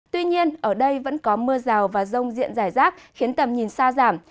tuy nhiên ở đây vẫn có mưa rào và rông diện rải rác khiến tầm nhìn xa giảm